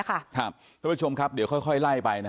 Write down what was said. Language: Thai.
คุณผู้ชมครับเดี๋ยวค่อยไล่ไป